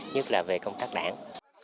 nhất là về công tác đảng